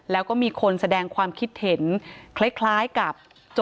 แล้วก็มีคนแสดงความคิดเห็นคล้ายกับ